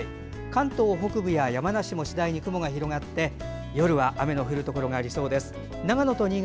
関東北部や山梨も次第に雲が広がり夜は雨の降るところがありそうです。